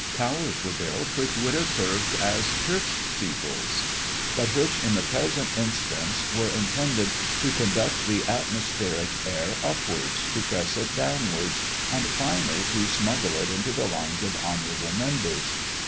Towers were built, which would have served as church steeples, but which, in the present instance, were intended to conduct the atmospheric air upwards, to press it downwards, and finally, to smuggle it into the lungs of honorable members.